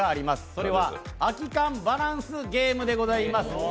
それは「空き缶バランスゲーム」でございます！